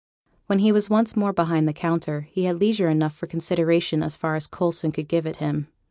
When he was once more behind the counter, he had leisure enough for consideration as far as Coulson could give it him.